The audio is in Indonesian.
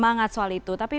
mungkin saja kita bersemangat